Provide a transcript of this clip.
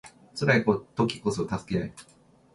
辛い時こそ助け合い